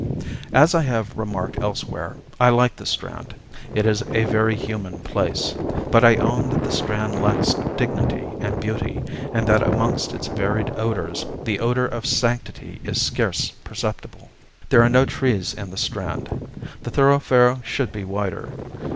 As I have remarked elsewhere, I like the Strand. It is a very human place. But I own that the Strand lacks dignity and beauty, and that amongst its varied odours the odour of sanctity is scarce perceptible. There are no trees in the Strand. The thoroughfare should be wider.